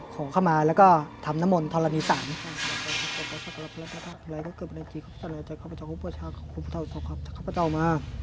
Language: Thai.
ขอเข้ามาแล้วก็ทำนมลธรณีสาม